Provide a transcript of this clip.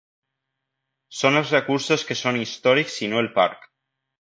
Són els recursos que són històrics i no el parc.